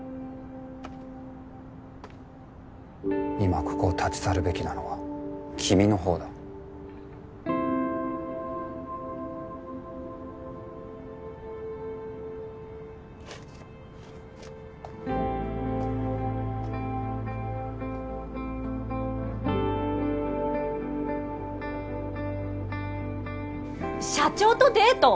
今ここを立ち去るべきなのは君のほうだ社長とデート？